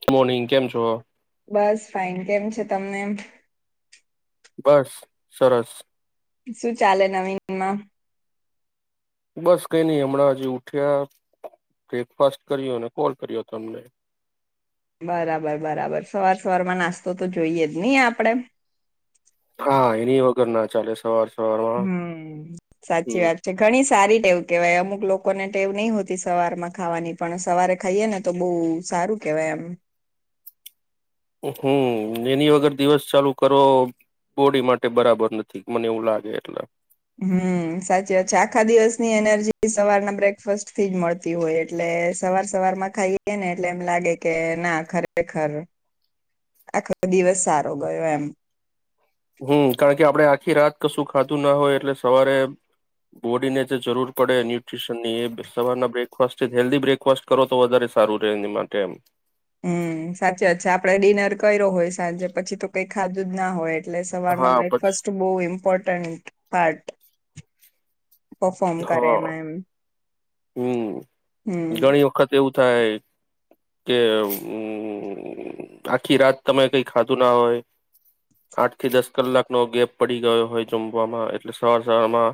Good morning કેમ છો? બસ ફાઇન કેમ છે તમને એમ? બસ સરસ. શું ચાલે નવીનમાં? બસ કઈ નહી હમણાં હજી ઉઠ્યા બ્રેકફાસ્ટ કર્યો અને કોલ કર્યો તમને. બરાબર બરાબર સવાર સવારમાં નાસ્તો તો જોઈએ જ નહી આપણેે. હા એની વગર ના ચાલે સવાર સવારમાં હમ સાચી વાત હમ છે ઘણી સારી એવું કેવાય અમુક. લોકો ને ટેવ નહ હોતી સવાર માં ખાવાની પણ સવારે ખાઈએ ને તો બહુ સારું કેહેવાય એમ. હમ્મ એની વગર દિવસ ચાલુ કરો બોડી માટે બરાબર નથી મને એવું લાગે એટલા. હમ્મ સાચી વાત છે આખા દિવસની એનર્જી સવારના બ્રેકફાસ્ટ થી જ મળતી હોય એટલે સવાર સવારમાં ખાઈ ને એટલે એમ લાગે કે ના ખરેખર આખો દિવસ સારો ગયો એમ. હમ્મ કારણ કે આપડણે આખી રાત કશું ખાધું ના હોય એટલે સવારે બોડીને જે જરૂર પડે ન્યુટ્રીશન ની એ સવારના બ્રેકફાસ્ટથી હેલ્ધી બ્રેકફાસ્ટ કરો તો વધારે સારું રહેે એની માટે એમ. હમ્મ સાચી વાત છે આપડે ડિનર કર્યો હોય સાંજે પછી તો કઈ ખાધું જ ના હોય. એટલે સવારનો હા પછી બ્રેકફાસ્ટ બહુ ઇમ્પોર્ટન્ટ પાર્ટ. પફોર્મ કરે હા એમાં એમ હમ્મ હમ ઘણી વખત એવું. થાય કેમ આખી રાત તમે કઈ ખાધું ના હોય આઠ થી દસ કલાકનો ગેપ પડી ગયો હોય જમવામાં એટલે સવાર શરમાં.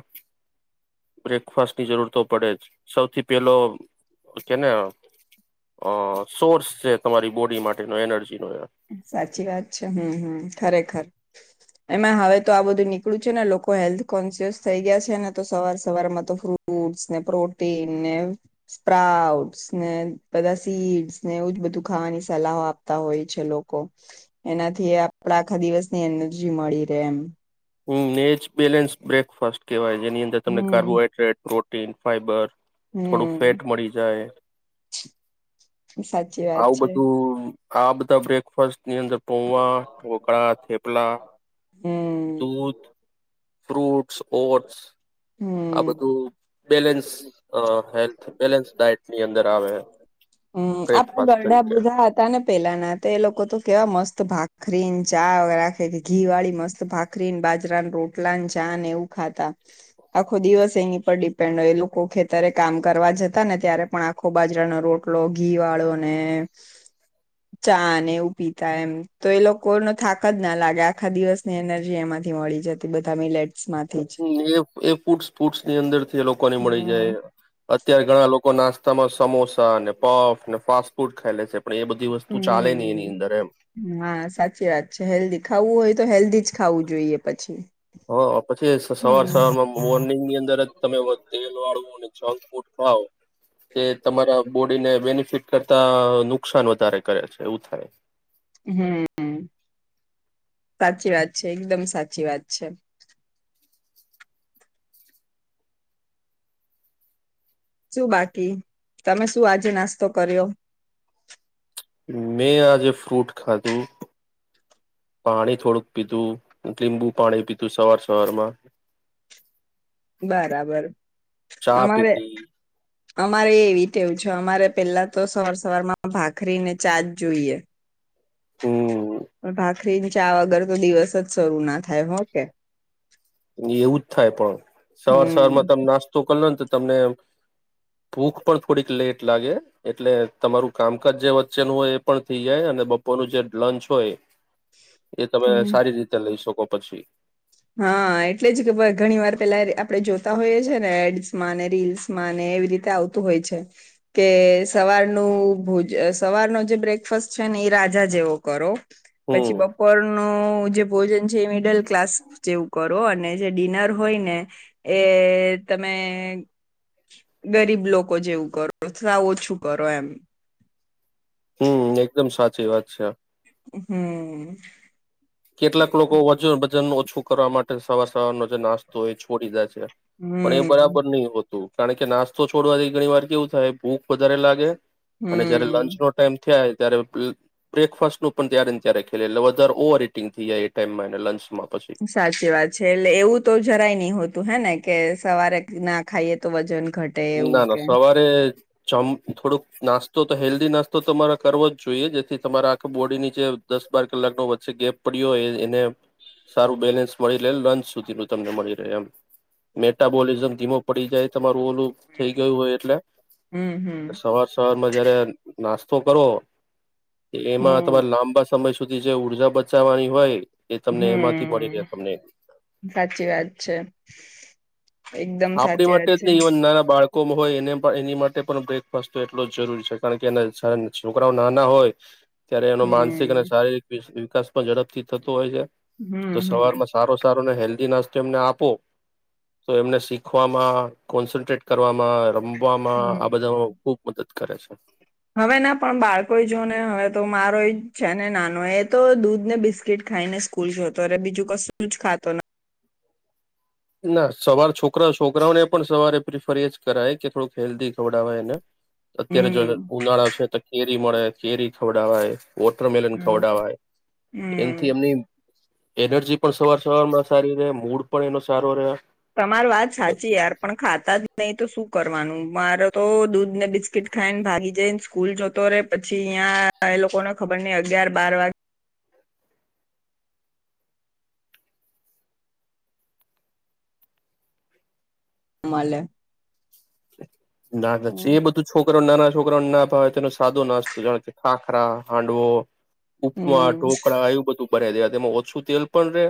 બ્રેકફાસ્ટની જરૂરતો પડે જ સૌથી પેલો કેને અ સોર્સ છે તમારી બોડી માટેનો એનર્જી નો. સાચી વાત છે હમ હમ ખરેખર એમાં હવે તો આ બધું નીકળું છે ને લોકો હેલ્થ કોન્શિયસ થઈ ગયા છે ને તો સવાર સવારમાં તો ફ્રૂટ્સને, પ્રોટીન ને, સ્પ્રાઉટ્ ને, બધા સીડસ ને એવું જ બધું ખાવાની સલાહો આપતા હોય. લોકો એનાથી આપ આખા દિવસની એનર્જી મળી રહે એમ. હમ્મ નેચ બેલેન્સ બ્રેકફાસ્ટ કેવાય છે. જેની અંદર તમને હમ કાર્બોહાઈડ્રેટો. Tin fibre. થોડું હમ ફેટ મળી જાય. સાચી વાત આવું છે બધું આપ બધા બ્રેકફાસ્ટ ની અંદર પોવા, ઢોકળા, થેપલા હમ દૂધ, ફ્રૂટસ, ઓડસ આ હમ બધું બેલેન્સ અ હેલ્થ બેલેન્સ ડાયટની અંદર આવે હમ્મ આપડે બ્રેકફાસ્ટ ગરડા તરીકે બુધા હતા ને પેલાના તો એ લોકો તો કેવા મસ્ત ભાગ ભાખરી ને ચા રાખે કે ઘી વાળી મસ્ત ભાખરી ને બાજરા રોટલા ને ચા ને એવું ખાતા આખો દિવસ એની પર ડિપેન્ડ હોય એ લોકો ખેતરે કામ કરવા જતા ને ત્યારે પણ આખો બાજરાના રોટ રોટલો ઘી વાળો ને ચા ને એવું પીતા એમ તો એ લોકોનો થાક જ ના લાગે આખા દિવસની એનર્જી એમાંથી મળી જતી બધા મિલેટ હમ્મ એ એ કુડ ફૂડ્સ ની અંદર થી એ લોકો ને મળી હમ જાય અત્યારે ઘણા લોકો નાસ્તા તા મા સમોસા ને પફ ને ફાસ્ટ ફૂડ ખાય લે છે પણ એ બધી વસ્તુ ચાલે નહી એની હમ્મ અંદર એમ હા સાચી છે હેલ્ધી ખાવું હોય તો હેલ્ધી જ ખાવું જોઈએ પછી. હો પછી સવાર હમ સવારમાં મોર્નિંગ ની અંદર જ તમે તેલ વાળવું ને જંગ ફૂડ ખાઓ તે તમારા બોડીને બેનિફિટ કરતા નુકસાન વધારે કરે છે એવું થાય. હમ્મ સાચી વાત છે એકદમ સાચી વાત છે. શું બાકી તમે શું આજે નાસ્તો કર્યો? મેં આજે ફ્રૂટ ખાધું પાણી થોડુંક પીધું લીંબુ પાણી પીધુ સવાર સવારમાં બરાબર ચા અમારે પીધી અમારે એવી ટેવ છે અમારે પેલા તો સવાર સવારમાં ભાખરી ને ચાજ જોઈએ. હમ ભાખરી ની ચા વગર તો દિવસ જ શરૂ ના થાય હોકે. એવું જ થાય પણ હમ સવાર સવારમાં તમે નાસ્તો કરલો ને તમને ભૂખ પણ થોડીક લેટ લાગે એટલે તમારું કામકાજ જે વચ્ચેનું હોય એ પણ થઈ જાય અને બપોરનું જે લંચ હોય એ તમે હમ સારી રીતે લઈ શકો. પછી હા એટલે જ કે ઘણી વાર પેલા આપણે જોતા હોઈએ છે ને એડ્સમાં ને રીલ્સમાં ને એવી રીતે આવતું હોય છે કે સવારનું ભોજ સવારનો જે બ્રેકફાસ છે ને એ રાજા જેવો કરો હમ પછી બપોરનું જે ભોજન છે એ મિડલ ક્લાસ એવું કરો અને જે ડિનર હોય ને એ તમે ગરીબ લોકો જેવું કરો તથા ઓછું કરો એમ. હમ્મ એકદમ સાચી વાત છે. હમ્મ કેટલાક લોકો વચન બચન છોકરાઓ માટે સવાર સવારનો જે નાસ્તો એ છોડી દે છે. પણ એ હમ બરાબર નીહ હોતુ કારણ કે નાસ્તો છોડવાથી ઘણી વાર કેવું થાય ભૂખ વધારે લાગે અને જયારે લંચ હમ નો ટાઈમ થાઈ ત્યારે બ્રેકફાસ્ટ નું પણ ત્યારે-ત્યારે ખે એટલે વધારે ઓવર ઇટિંગ થઈ એ ટાઈમ માં અને લંચમાં પછી સાચી વાત છે એટલે એવું તો જરાય નહી હોતું હે ને કે સવારે ના ખાઈએ તો વજન ઘટે એવું નાના કે સવારે [unintelligible] થોડોક નાસ્તો તો હેલ્ધી નાસ્તો તમારે કરવો જ જોઈએ જેથી તમારા આખા બોડીની જે દસ બાર કલાકનો વચ્ચે ગેપ પડ્યો હોય એને સારું બેલેન્સ મળી રહે લંચ સુધીનું તમને મળી રહે એમ મેટાબોલિઝમ ધીમો પડી જાય તમારું ઓલું થ ગયું હોય એટલે હમ એ હમ સવાર સવારમાં જયારે નાસ્તો કરો એમાં હમ તમારે લાંબા સમય સુધી જે ઊર્જા બચાવવાની હોય એ તમને એમાંથી મળી રહ્યા હમ તમને સાચી વાત છે એકદમ આપણી સાચી વાત માટે જ છે નહી ઇવન નાના બાળક મ હોય એ એની માટે પણ બ્રેકફાસ્ટ તો એટલો જરૂરી છે કારણ કે એના છોકરાઓ નાના હોય ત્યારે એનો માનસિક અને હમ શારીરિક [unintelligible] ઝડપથી થતો હોય છે હમ તો હમ સવારમાં સારો સારો અને હેલ્ધી નાસ્તો અમને આપો તો એમને શીખવામાં કોન્સન્ટ્રેટ કરવામાં રમવા મા આ બધા હમ ખુબ મદદ કરે છે. હવે ના પણ બાળકો જો ને હવે તો મારો છે ને નાનો એ તો દૂધ ને બિસ્કીટ ખાઈને સ્કૂલ જોતો બીજું કશું જ ખાતો નથી. ના સવાર છોકરા છોકરાઓને પણ સવારે પ્રિફર એજ કરાય કે થોડુંક હેલ્ધી ખવડાવા એને અત્યારે જો હમ ઉનાળા છે તો કેરી મળે. ચેરી ખવડાવા એ વોટરમેલન હમ ખવડવાય. હમ એનથી એમની એનર્જી પણ સવાર-સવાર માં સારી રે, મૂડ પણ એનો સારો રહ્યા. તમારે વાત સાચી યાર પણ ખાતા જ નહી તો શું કરવાનું મારે તો દૂધ ને બિસ્કીિટ ખાઈને ભાગી જઈને સ્કૂલ જોતો રે પછી અ્યાં એ લોકોને ખબર નહ અગયાર બાર વાગે મલે. નાના છે, એ બધું છોકરો નાના છોકરોને ના ભાવે તેનો સાદો નાસ્તો જેવા, કે ખાખરા હાંડવો. ઉપમા, હમ ઢોકળા એવું બધું મળે છે, તેમાં ઓછું તેલ પણ‌ રે,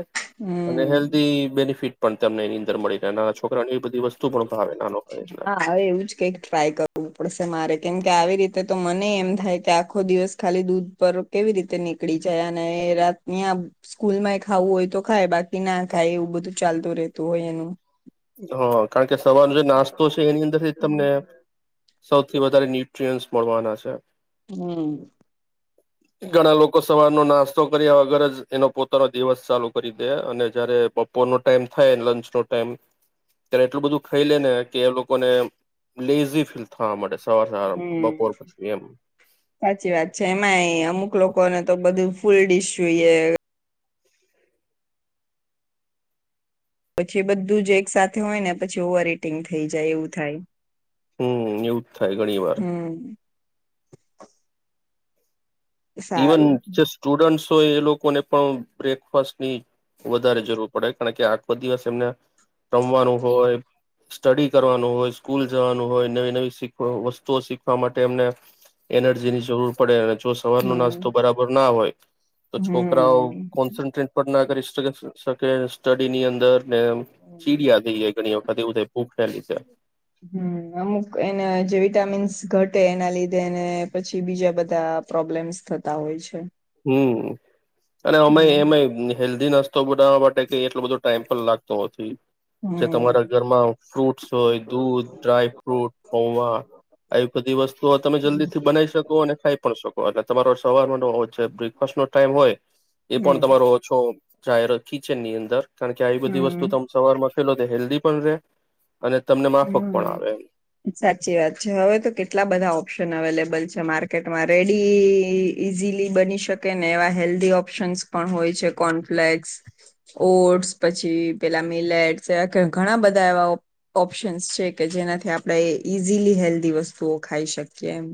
અને હમ હેલ્ધી બેનિફિટ પણ, તમેવી. ગરમ મળી રહે, નાના છોકરાની એ બધી વસ્તુ પણ ભાવે નાનો પાડે. હા હવે એવું જ કાંઈક ટ્રાય કરવું પડશે, મારે કેમકે આવી રીતે તો મને એમ થાય કે આખો દિવસ ખાલી દૂધ પર કેવી રીતે નીકળી જાય, અને રાતના સ્કૂલમાં ખાવું હોય તો ખાય બાકી ના ખાય, એવું બધું ચાલતું રહેતું હોય એનું. હમ્મ કારણ કે સવારનો જે નાસ્તો છે, એની અંદરથી તમને. હમ સૌથી વધારે ન્યુટ્રીયન્સ. મળવાના છે. હ. ઘણા લોકો સવારનો નાસ્તો કર્યા વગર જ એનો પોતાનો દિવસ ચાલુ કરી દે, અને જયારે બપોર નો ટાઈમ થાય લંચ નો ટાઈમ. ત્યારે એટલું બધું ખાઇલે‌ ને કે એ લોકોને. લિઝી ફીલ થવા માંડે છે. હ સાચી વાત છે, એમાં અમુક લોકોને તો બધું. ફુલ ડીશ જોઈએ. પછી બધું જ એક સાથે હોય, ને પછી ઓવર ઇટિંગ થઈ જાય એવું થાય. હું એવું જ થાય, ઘણીવાર. હમ સારું ઇવન જે સ્ટુડન્ટ્સ. તો એ લોકોને પણ બ્રેકફાસ્ટ ની વધારે જરૂર પડે, કારણ કે આખો દિવસ એમને. રમવાનું હોય. સ્ટડી કરવાનું હોય, સ્કૂલ જવાનું હોય, નવી- નવી વસ્તુઓ શીખવા માટે, એમને એનર્જીની જરૂર પડે. સવાર ન હમ નાસ્તો બરાબર ના હોય, તો છોકરાવ હમ કોન્સનટ્રેડ પણ ના કરી થ‌ઇ શકે, સ્ટડી ની અંદર. નેમ, ચીડીયા હતી ઘણી. [unintelligible] લીધે હું, અમુક એને જે વિટામીન્સ. ઘટે એના લીધે, ને પછી બીજા બધા પ્રોબ્લેમ્સ થતા હોય છે. હું. અને ઓમેય‌ હમ એમેય હેલ્ધીનસ તો બનાવવા માટે કાંઈ એટલો બધો ટાઈમ પણ લાગતો નથી. જે હમ તમારા ઘરમાં ફ્રૂટસ હોય, દૂધ, ડ્રાયફ્રૂટ, પૌવા આવી બધી વસ્તુઓ તમે જલ્દીથી બનાવી શકો અને ખાઈ પણ શકો. તમારો સવારમા તો બ્રેકફાસ્ટ નો ટાઈમ હોય. એ પણ હમ તમારો ઓ છો. જાય કિચનની અંદર કારણ કે આવી બધી વસ્તુ હમ તમે સવાર માં ફેલો કે હેલ્ધી પણ ર હમ, સાચી વાત છે હવે તો કેટલા બધા ઓપ્શન અવેલેબલ બલે છે માર્કેટમાં રેડી ઇઝીલી બની શકે ને એવા હેલ્ધી ઓપ્શન્સ પણ હોય છે કોર્નફ્લેક્સ, ઓટ્સ પછી પેલા મિલેટ્સ એવા ઘણા બધા એવા ઓપ્શન્સ છે કે જેનાથી આપણે ઇઝીલી હેલ્ધી વસ્તુઓ ખાઈ શકીએ એમ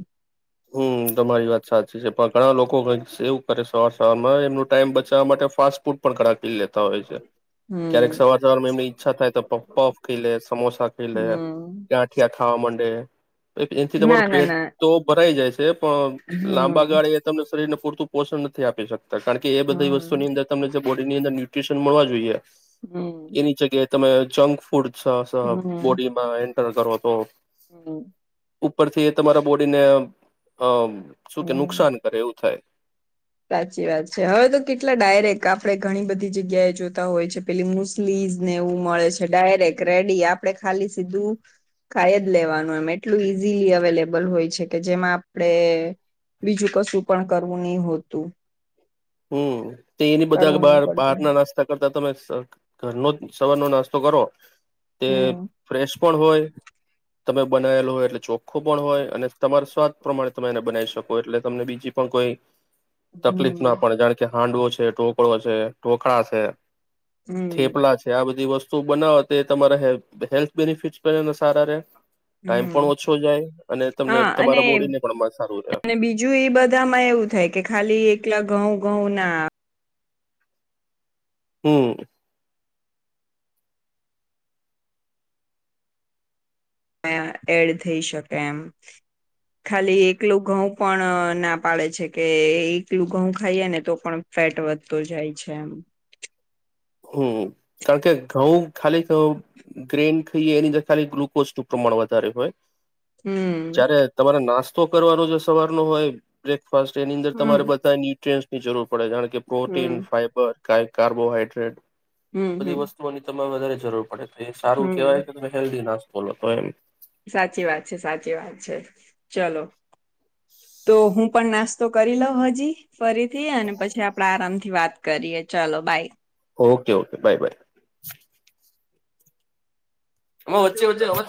હમ્મ તમારી વાત સાચી છે પણ ઘણા લોકો કઈક એવું કરે સવા માં એમનું ટાઈઇમ બચાવવા માટે ફાસ્ટ ફૂડ પણ ક પી લેતા હોય છે ક્યારેક હમ સવાર સવાર માં એમની ઈચ્છા થાય તો પફ ખી લે સમોસા ખાઈ લે હમ ગંઠિયા ખાવા માંડે એથી ના તમારું ના પેટ ના તો થાઈ જાય છે પણ લાંબા હમ ગાળી એ તમને શરીરને પૂરતું પોષણ નથી આપી શક કારણ કે એ બધી વસ્તુ હમ ની અંદર તમને જે બોડીની અંડર ન્યુ્રીશન મળવા જોઈએ હમ્મ એની જગ્યાએ તમે જંક ફ ફૂડ સ સ બોડીમાં એઅ, કરો તો હમ. ઉપરથી તમારા બોડીને અમ. શું કે હમ નુકસાન કરે એવું થાય. સાચી વાત છે હવે તો કેટલા ડાયરેક્ટ આપડે ઘણી બધી જગ્યાએ જોતા હોય છે પેલી મુસ્લીસને એવું મળે છે ડાયરેક રેડી આપણે ખાલી સીધું ખાય જ લેવાનું એમ એટલું ઈઝીલી અવેલેબલ હોય છે કે જેમાં આપડે બીજું કશું પણ કરવું નહી હોત તું. હમ. તે એની બધા બાર બહાર પડતું ના નાસ્તા કરતા તમે ઘરનો સવારનો નાસ્તો કરો. તે હમ ફ્રેશ પણ હોય. તમે બનાયલો હોય એટલે ચોખ્ખું પણ હોય અને તમાર સ્વા પ્રમાણે તમે એને બનાવી શકો એટલે તમને બીજી પણ કોઈ હમ. તકલીફ ના પડે જાણે કે હાંડવો છે. છે ટોકળો છે ઢોકળા છે. હમ થેપલા છે આ બધી વસ્તુ બનાવ તે તમારા હેલ્થ બેનિફિટ પણ સારા ર હમ્મ તમને હા અને તમારા બોડીને પણ સારું રહે અને બીજું એ બધામાં એવું થાય કે ખાલી એકલા ઘઉં. ઘઉં ના. હમ્મ. એડ થઈ શકે એમ ખાલી એકલું ઘઉં પણ ના પાડે છે, કે એકલું ઘઉં ખાઈએ ને તો પણ ફેટ વધતો જાય છે એમ. હમ્મ કારણ કે ઘઉં ખાલી ગ્રેન ખાઈએ એની અંદર ખાલી ગ્લુકોઝ નું પ્રમાણ વધારે હોય. હમ જ્યારે તમારા નાસ્ તો કરવાનું સવાર ન હોય બ્રેક ફાસ એની અંદર તમારે હમ બધા ટ્રે ની જરૂર પડે જા કે પ્રોટીન, હમ ફાઈબર. કઈ કાર્બોહઇડ્રેટ. આ હમ બધી હમ વસ્તુઓની તમ માં વધારે જરૂર પડે. એ સારું હમ કેહેવાય કે તમે હેલ્ધી નાશ બોલો તો એમ. સાચી વાત છે સાચી વાત છે ચલો તો હું પણ નાસ્તો કરી લઉ હજી ફરીથી અને પછી આપડા આરામથી વાત કરીએ, ચાલો bye. Okay okay bye bye. એમાં વચ્ચે વચ્ચે લવચ